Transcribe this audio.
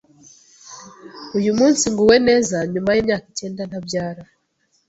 Uyu munsi nguwe neza nyuma y’imyaka icyenda ntabyar